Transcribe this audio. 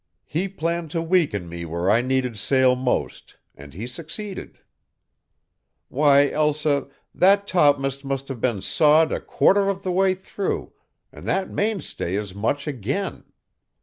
"He planned to weaken me where I needed sail most and he succeeded. Why, Elsa, that topm'st must have been sawed a quarter of the way through and that mainstay as much again.